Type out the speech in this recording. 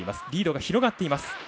リードが広がっています。